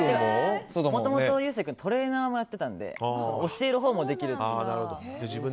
もともと勇征君はトレーナーもやってたので教えるほうもできるっていう。